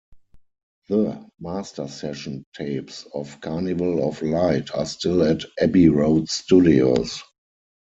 The master session tapes of "Carnival of Light" are still at Abbey Road Studios.